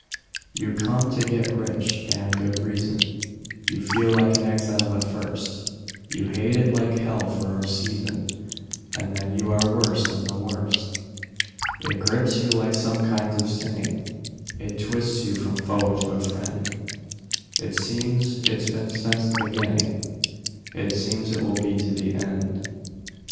You come to get rich (damned good reason); You feel like an exile at first; You hate it like hell for a season, And then you are worse than the worst. It grips you like some kinds of sinning; It twists you from foe to a friend; It seems it's been since the beginning; It seems it will be to the end.